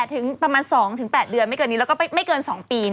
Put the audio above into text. ถึงประมาณ๒๘เดือนไม่เกินนี้แล้วก็ไม่เกิน๒ปี